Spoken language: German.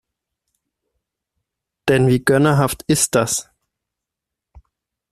Denn wie gönnerhaft ist das?